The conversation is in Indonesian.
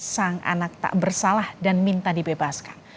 sang anak tak bersalah dan minta dibebaskan